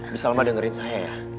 bisa lama dengerin saya ya